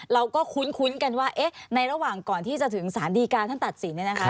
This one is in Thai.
เราก็คุ้นกันว่าในระหว่างก่อนที่จะถึงสารดีการท่านตัดสินเนี่ยนะคะ